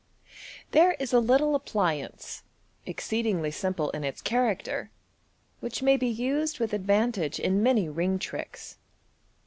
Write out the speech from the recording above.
There is a little appliance, exceedingly simple in its character, which may be used with advantage in many ring tricks.